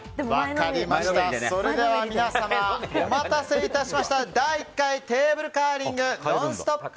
それでは皆様お待たせいたしました第１回テーブルカーリングノンストップ！